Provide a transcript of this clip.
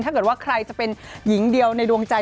ถ้าเกิดว่าใครจะเป็นหญิงเดียวในดวงใจ